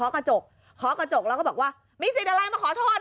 กระจกเคาะกระจกแล้วก็บอกว่ามีสิทธิ์อะไรมาขอโทษ